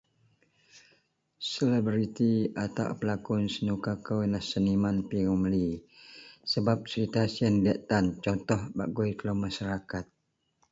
selebriti atau pelakon a senuka kou ienlah seniman P.Ramli sebab cerita sien diak tan, contoh bak gui kelo masyarakat